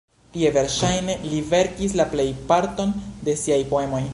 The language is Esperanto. Tie, verŝajne, li verkis la plejparton de siaj poemoj.